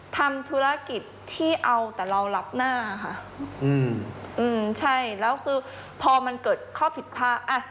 ทำธุรกิจที่เอาแต่เรารับหน้าค่ะอืมใช่แล้วคือพอมันเกิดข้อผิดพลาดอ่ะ